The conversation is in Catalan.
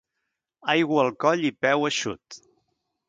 Aigua al coll i peu eixut.